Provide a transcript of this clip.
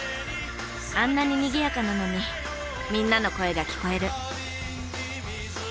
あんなに賑やかなのにみんなの声が聞こえる。